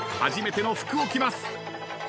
初めての服を着ます。